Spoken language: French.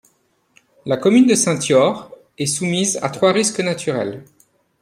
La commune de Saint-Yorre est soumise à trois risques naturels.